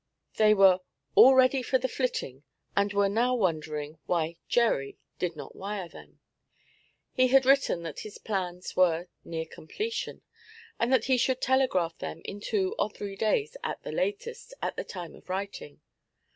They were 'all ready for the flitting,' and were now wondering why 'Gerry' did not wire them. He had written that his plans 'were near completion,' and that he should telegraph them in two or three days at the latest, at the time of writing.